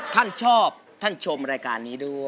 ท่านชอบท่านชมรายการนี้ด้วย